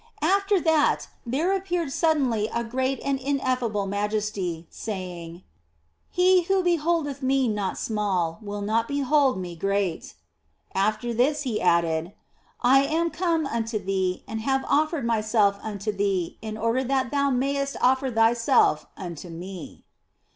After that there appeared suddenly a great and ineffable Majesty, saying " He who beholdeth Me not small will not behold Me great." After this He added, " I am come unto thee and have offered Myself unto thee in order that thou mayest offer thyself unto Me."